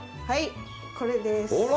はいこれです。